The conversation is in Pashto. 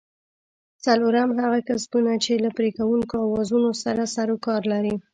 څلورم: هغه کسبونه چې له پرې کوونکو اوزارونو سره سرو کار لري؟